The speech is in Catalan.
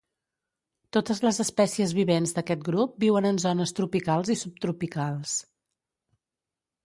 Totes les espècies vivents d'aquest grup viuen en zones tropicals i subtropicals.